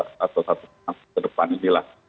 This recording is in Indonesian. sama ya dalam satu dua atau satu kali ke depan inilah